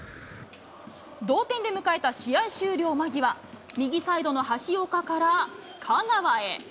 同点で迎えた試合終了間際、右サイドの橋岡から香川へ。